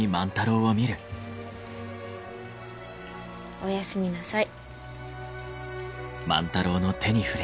おやすみなさい。